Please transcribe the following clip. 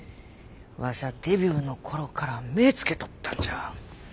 わしゃデビューの頃から目ぇつけとったんじゃ。